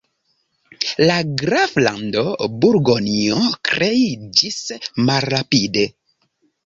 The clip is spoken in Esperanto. La graflando Burgonjo kreiĝis malrapide.